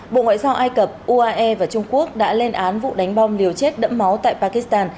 bộ ngoại giao ai cập uae và trung quốc đã lên án vụ đánh bom liều chết đẫm máu tại pakistan